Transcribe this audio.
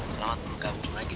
selamat bergaul lagi